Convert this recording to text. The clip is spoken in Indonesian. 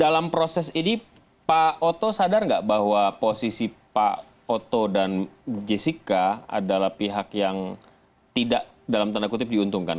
dalam proses ini pak oto sadar nggak bahwa posisi pak oto dan jessica adalah pihak yang tidak dalam tanda kutip diuntungkan